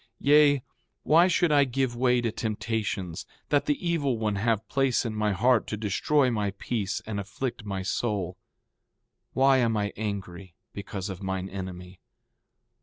Yea, why should I give way to temptations, that the evil one have place in my heart to destroy my peace and afflict my soul? Why am I angry because of mine enemy?